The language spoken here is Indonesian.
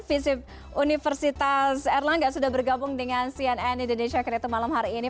visip universitas erlangga sudah bergabung dengan cnn indonesia kreator malam hari ini